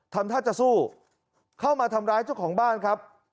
ทำท่าจะสู้เข้ามาทำร้ายเจ้าของบ้านครับ